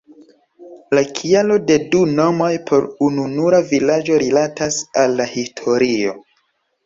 La kialo de du nomoj por ununura vilaĝo rilatas al la historio.